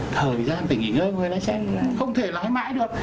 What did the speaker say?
thời gian phải nghỉ ngơi người lái xe không thể lái mãi được